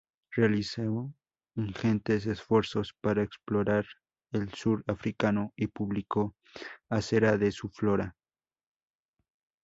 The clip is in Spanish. Realizó ingentes esfuerzos para explorar el sur africano, y publicó acera de su flora.